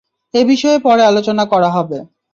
এ বিষয়ে পরে আলোচনা করা হবে।